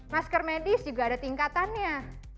masker medis juga ada tingkatannya